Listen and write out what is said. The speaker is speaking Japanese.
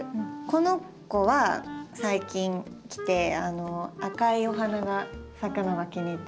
この子は最近来て赤いお花が咲くのが気に入ってます。